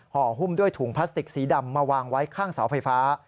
หุ้มด้วยถุงพลาสติกสีดำมาวางไว้ข้างเสาไฟฟ้า